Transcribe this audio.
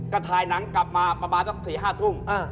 ก็ถ่ายหนังกลับมาประมาทเช่าสี่ห้าทุ่ม